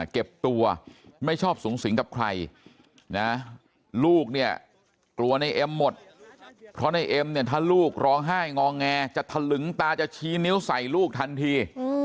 เก็บตัวไม่ชอบสูงสิงกับใครนะลูกเนี่ยกลัวในเอ็มหมดเพราะในเอ็มเนี่ยถ้าลูกร้องไห้งอแงจะถลึงตาจะชี้นิ้วใส่ลูกทันที